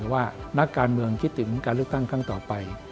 ว่านักการเมืองคิดถึงการเลือกตั้งครั้งต่อไป